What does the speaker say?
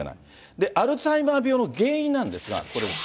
で、アルツハイマー病の原因なんですが、これ。